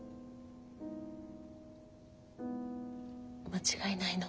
間違いないの？